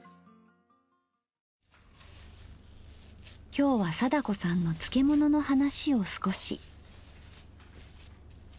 今日は貞子さんの漬物の話を少し。